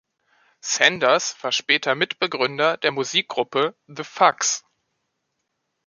Sanders war später Mitbegründer der Musikgruppe The Fugs.